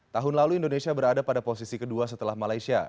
tahun lalu indonesia berada pada posisi kedua setelah malaysia